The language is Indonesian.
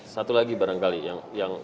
satu lagi barangkali yang